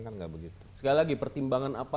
kan nggak begitu sekali lagi pertimbangan apa